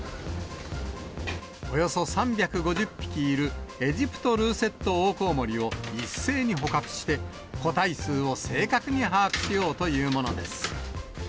およそ３５０匹いるエジプトルーセットオオコウモリを一斉に捕獲して、個体数を正確に把握しようというものです。